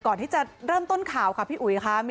ก่อนที่จะเริ่มต้นข่าวค่ะพี่อุ๋ยค่ะ